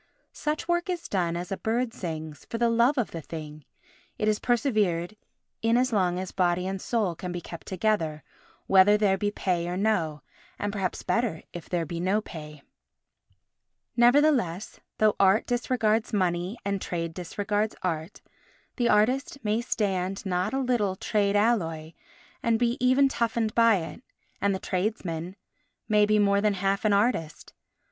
Such work is done as a bird sings—for the love of the thing; it is persevered in as long as body and soul can be kept together, whether there be pay or no, and perhaps better if there be no pay. Nevertheless, though art disregards money and trade disregards art, the artist may stand not a little trade alloy and be even toughened by it, and the tradesmen may be more than half an artist.